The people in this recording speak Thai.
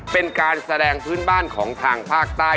เป็นการแสดงพื้นบ้านของทางภาคใต้